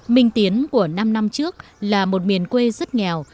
minh tiến của năm năm trước là một miền quê rất nghèo